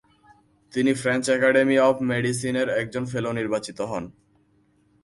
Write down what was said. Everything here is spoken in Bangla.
তিনি ফ্রেঞ্চ একাডেমী অফ মেডিসিন-এর একজন ফেলো নির্বাচিত হন।